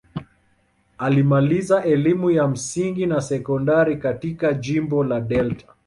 Alimaliza elimu ya msingi na sekondari katika jimbo la Delta.